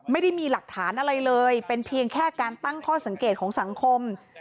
ไม่ได้มีหลักฐานอะไรเลยเป็นเพียงแค่การตั้งข้อสังเกตของสังคม